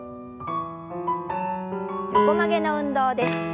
横曲げの運動です。